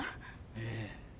ええ。